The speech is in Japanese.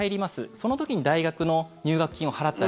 その時に大学の入学金を払ったり。